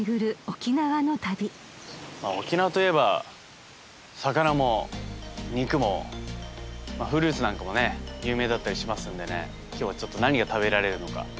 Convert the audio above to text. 沖縄といえば魚も肉もフルーツなんかもね有名だったりしますんでね今日は何が食べられるのか楽しみです。